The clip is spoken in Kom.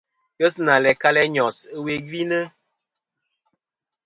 Ghesina læ kalì a Nyos ɨwe gvi nɨ̀.